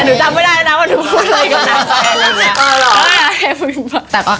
แต่หนูจำไม่ได้นะว่าหนูพูดอะไรกับนักศึกษ์อะไรอย่างเงี้ย